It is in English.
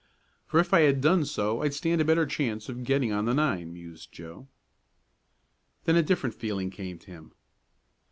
"For if I had done so I'd stand a better chance of getting on the nine," mused Joe. Then a different feeling came to him.